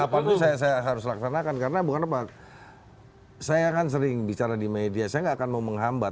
kapanpun saya harus laksanakan karena bukan apa saya kan sering bicara di media saya nggak akan mau menghambat